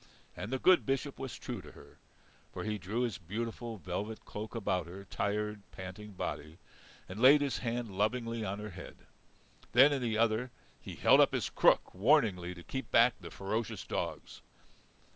And the good Bishop was true to her. For he drew his beautiful velvet cloak about her tired, panting body, and laid his hand lovingly on her head. Then in the other, he held up his crook warningly to keep back the ferocious dogs.